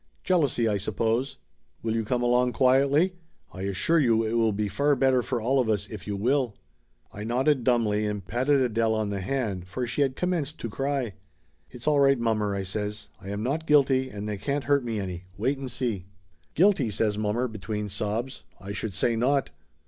Jealousy, I sup pose. Will you come along quietly? I assure you it will be far better for all of us if you will." I nodded dumbly, and patted Adele on the hand, for she had commenced to cry. "It's all right, mommer," I says. "I am not guilty and they can't hurt me any. Wait and see." "Guilty?" says mommer between sobs. "I should say not